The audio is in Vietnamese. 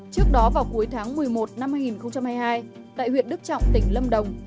trước đó vào cuối tháng một mươi một năm hai nghìn hai mươi hai tại huyện đức trọng tỉnh lâm đồng